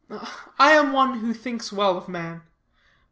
I am one who thinks well of man.